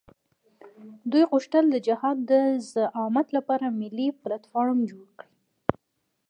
دوی غوښتل د جهاد د زعامت لپاره ملي پلټفارم جوړ کړي.